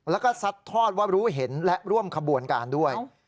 แล้วก็ซัดทอดว่ารู้เห็นและร่วมขบวนการด้วย